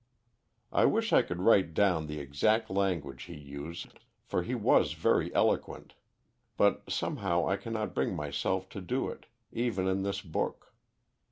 I wish I could write down the exact language he used, for he was very eloquent; but somehow I cannot bring myself to do it, even in this book.